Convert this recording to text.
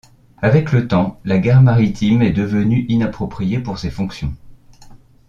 Avec le temps, la gare maritime est devenue inappropriée pour ses fonctions.